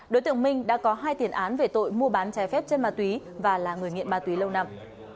đối tượng minh đã có hai tiền án về tội mua bán trái phép chân ma túy và là người nghiện ma túy lâu năm